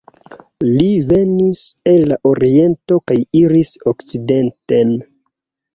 Li venis el la oriento kaj iris okcidenten.